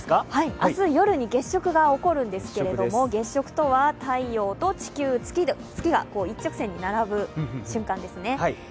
明日、夜に月食が起こるんですけれど太陽と地球、月が一直線に並ぶ瞬間ですね。